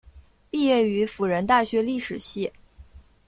毕业于辅仁大学历史系。